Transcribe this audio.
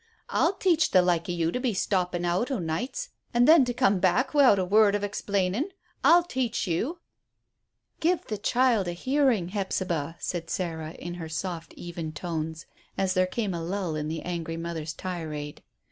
I'll teach the like o' you to be stoppin' out o' nights an' then to come back wi'out a word of explainin'. I'll teach you." "Give the child a hearing, Hephzibah," said Sarah, in her soft even tones, as there came a lull in the angry mother's tirade.